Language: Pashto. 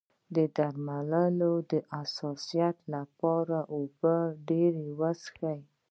د درملو د حساسیت لپاره اوبه ډیرې وڅښئ